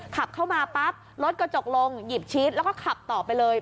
ขับเข้ามาปั๊บรถกระจกลงหยิบชีสแล้วก็ขับต่อไปเลย